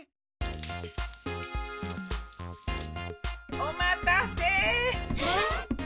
・お待たせ。